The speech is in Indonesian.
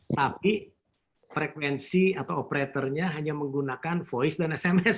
tapi frekuensi atau operatornya hanya menggunakan voice dan sms